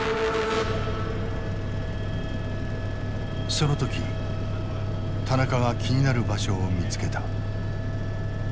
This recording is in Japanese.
その時田中が気になる場所を見つけた。